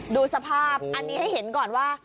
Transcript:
ดูสภาพอันนี้ให้เห็นก่อนว่า